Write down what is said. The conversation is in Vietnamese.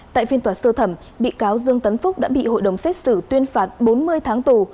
tại phiên tòa sơ thẩm bị cáo dương tấn phúc đã bị hội đồng xét xử tuyên phạt bốn mươi tháng tù